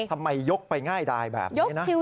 ทำไมยกไปง่ายดายแบบนี้นะ